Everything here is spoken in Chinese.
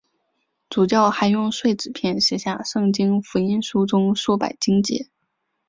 主教还用碎纸片写下圣经福音书中数百经节。